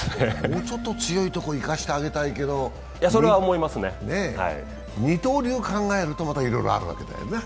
もうちょっと強いところに行かせてあげたいけど、二刀流を考えると、またいろいろあるわけだよな？